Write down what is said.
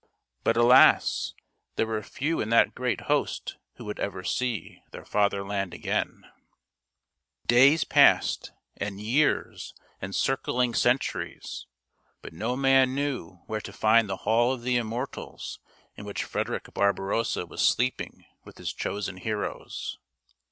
But, alas, there were few in that great host who would ever see their fatherland aorain. 128 THIRTY MORE FAMOUS STORIES II Days passed and years and circling centuries, but no man knew where to find the hall of the immortals in which Frederick Barbarossa was sleep ing with his chosen heroes.